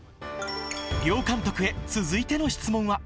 両監督へ、続いての質問は。